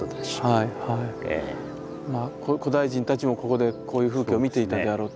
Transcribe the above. まあ古代人たちもここでこういう風景を見ていたであろうと。